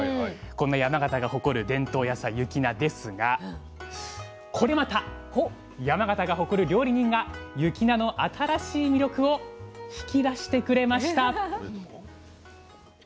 こんな山形が誇る伝統野菜雪菜ですがこれまた山形が誇る料理人が雪菜の新しい魅力を引き出してくれました。